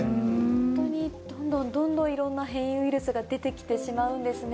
本当にどんどんどんどんいろんな変異ウイルスが出てきてしまうんですね。